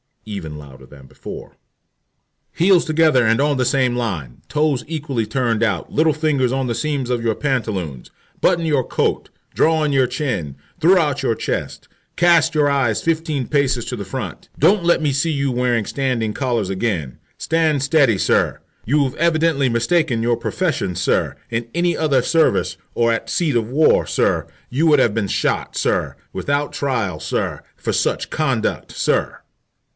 (Even louder than before.) "Heels together and on the same line, toes equally turned out, little fingers on the seams of your pantaloons, button your coat, draw in your chin, throw out your chest, cast your eyes fifteen paces to the front, don't let me see you wearing standing collars again. Stand steady, sir. You've evidently mistaken your profession, sir. In any other service, or at the seat of war, sir, you would have been shot, sir, without trial, sir, for such conduct, sir."